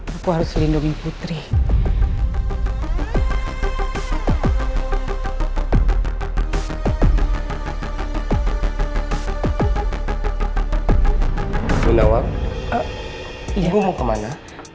bu nawang ibu mau kemana